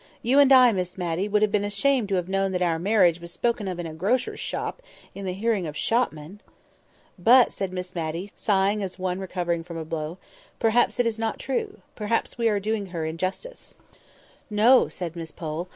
You and I, Miss Matty, would have been ashamed to have known that our marriage was spoken of in a grocer's shop, in the hearing of shopmen!" "But," said Miss Matty, sighing as one recovering from a blow, "perhaps it is not true. Perhaps we are doing her injustice." "No," said Miss Pole.